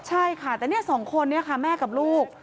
ใช่ค่ะแต่เนี่ยสองคนนี้ค่ะแม่กับลูก